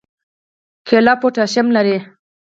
کیله پوټاشیم لري